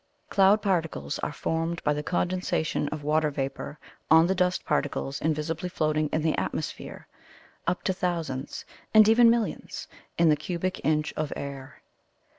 Cloud particles are formed by the condensation of water vapour on the dust particles invisibly floating in the atmosphere, up to thousands and even millions in the cubic inch of air.